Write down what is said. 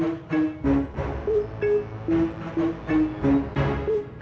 aku mau ke tempat yang lebih baik